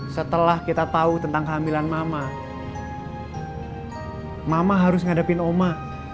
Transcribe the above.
setelah kita tahu tentang kehamilan mama harus ngadepin oma